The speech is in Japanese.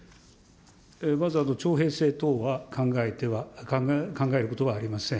まず、徴兵制等は考えては、考えることはありません。